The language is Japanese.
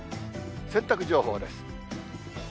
洗濯情報です。